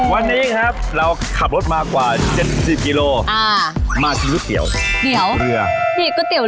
วันนี้ครับเราขับรถมากว่า๗๐กิโลมาทีก๋วยเตี๋ยว